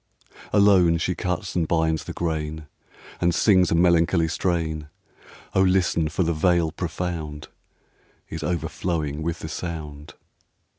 Alone she cuts and binds the grain, And sings a melancholy strain; O listen ! for the Vale profound Is overflowing with the sound.